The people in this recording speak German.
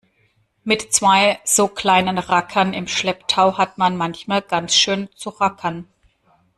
Mit zwei so kleinen Rackern im Schlepptau hat man manchmal ganz schön zu rackern.